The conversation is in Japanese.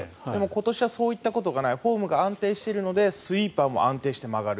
今年はそういったことがなくフォームが安定しているのでスイーパーも安定して曲がる。